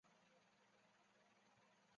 明朝洪武十三年改为屯田清吏司。